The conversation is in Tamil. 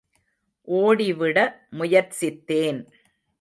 ஓடி விட முயற்சித்தேன்.